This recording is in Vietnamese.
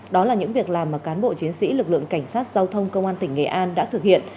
đó là những việc làm mà cán bộ chiến sĩ lực lượng cảnh sát giao thông công an tỉnh nghệ an đã thực hiện